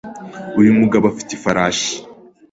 Uyu mugabo afite ifarashi.